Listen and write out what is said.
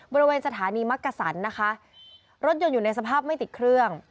บริเวณสถานีมักกษันนะคะรถยนต์อยู่ในสภาพไม่ติดเครื่อง